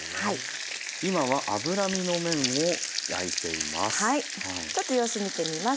今は脂身の面を焼いています。